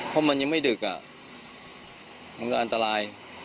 เพราะมันยังไม่ดึกมันก็อันตราย